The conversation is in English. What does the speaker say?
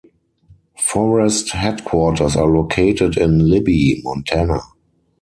Forest headquarters are located in Libby, Montana.